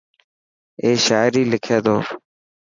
اي شاعري لکي ٿو.